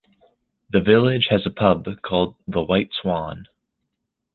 The village has a pub called The White Swan.